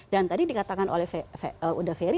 dan tadi dikatakan oleh uda ferry